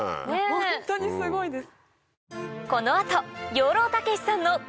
ホントにすごいです。